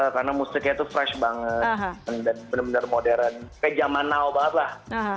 karena musiknya itu fresh banget dan benar benar modern kayak jaman now banget lah